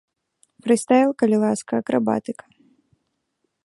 Фрыстайл, калі ласка акрабатыка.